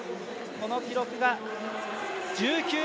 この記録が１９ｍ８９。